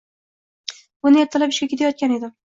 Bugun ertalab ishga ketayotgan edim.